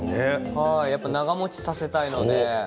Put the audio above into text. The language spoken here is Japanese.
やっぱり長もちさせたいので。